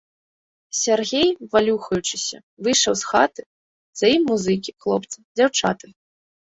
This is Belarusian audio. Сяргей, валюхаючыся, выйшаў з хаты, за ім музыкі, хлопцы, дзяўчаты.